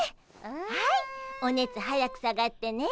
はいおねつ早く下がってね。